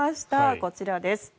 こちらです。